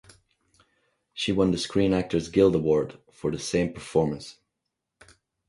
She won the Screen Actors Guild award for the same performance.